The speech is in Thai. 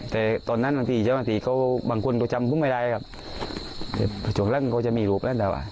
แต่ตอนนั้นวันสี่เจ้าวันสี่เขาบางคนเขาจำพุ่มไม่ได้ครับแต่ประจำล่างเขาจะมีลูกแล้วนะครับ